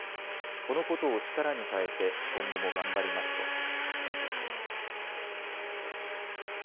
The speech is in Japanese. このことを力に変えて今後も頑張りますとコメントしています。